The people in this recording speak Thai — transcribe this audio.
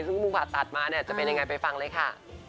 ซึ่งเพิ่งผ่าตัดมาเนี่ยจะเป็นยังไงไปฟังเลยค่ะ